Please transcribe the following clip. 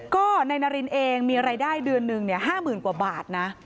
ก็นายนารินเองมีรายได้เดือนหนึ่งเนี่ยห้าหมื่นกว่าบาทนะ